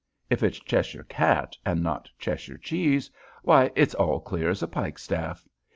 If it's Cheshire cat, and not Cheshire cheese, why, it's all clear as a pikestaff.